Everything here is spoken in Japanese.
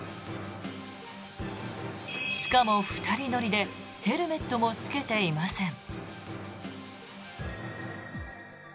しかも、２人乗りでヘルメットもつけていません。